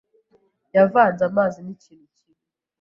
Yavanze amazi n'ikintu kibi.